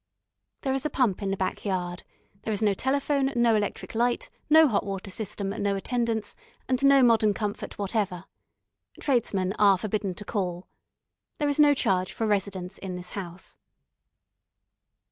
There is a pump in the back yard. There is no telephone, no electric light, no hot water system, no attendance, and no modern comfort whatever. Tradesmen are forbidden to call. There is no charge for residence in this house.